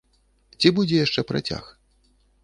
Ці будзе яшчэ працяг?